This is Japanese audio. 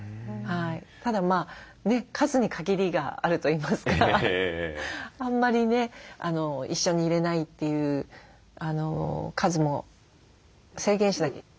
ただ数に限りがあるといいますかあんまりね一緒にいれないという数も制限しなきゃ。